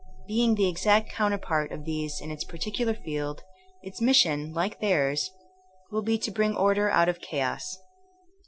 Being the exact counterpart of these in its particular field, its mission, like theirs, will be to bring order out of chaos.